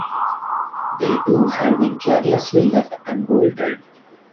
They, too, had been carelessly left unbolted.